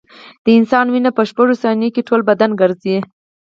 د انسان وینه په شپږو ثانیو کې ټول بدن ګرځي.